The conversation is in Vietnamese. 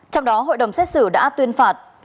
trong đó hội đồng xét xử đã tuyên phạt